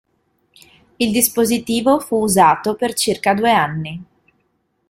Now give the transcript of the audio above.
Il dispositivo fu usato per circa due anni.